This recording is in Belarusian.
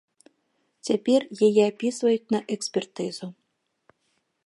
Цяпер яе апісваюць на экспертызу.